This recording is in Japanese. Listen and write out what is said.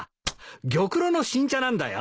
玉露の新茶なんだよ。